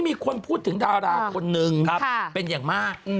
มีคนพูดถึงดาราคนนึงเป็นอย่างมาก